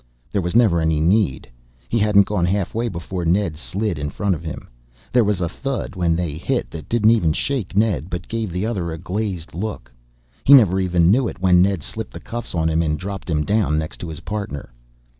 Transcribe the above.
There was never any need. He hadn't gone halfway before Ned slid in front of him. There was a thud when they hit that didn't even shake Ned, but gave the other a glazed look. He never even knew it when Ned slipped the cuffs on him and dropped him down next to his partner.